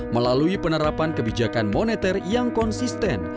melalui penerapan kebijakan moneter yang konsisten